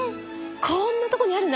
こんなとこにあるの？